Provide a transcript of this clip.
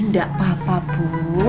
gak apa apa bu